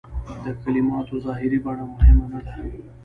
د کلماتو ظاهري بڼه مهمه نه ده.